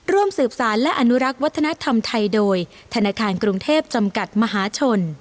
ร่วมสืบสารและอนุรักษ์วัฒนธรรมไทยโดยธนาคารกรุงเทพจำกัดมหาชน